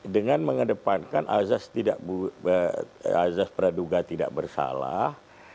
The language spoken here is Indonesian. dengan mengedepankan azaz praduga tidak bersalah